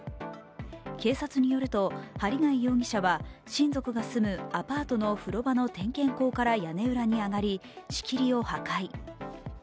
警察によると、針谷容疑者は親族が住むアパートの風呂場の点検口から屋根裏に上がり、仕切りを破壊。